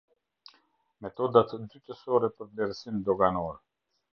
Metodat dytësore për vlerësim doganor.